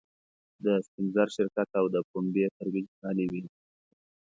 د سپین زر شرکت او د پومبې ترویج هلې وې.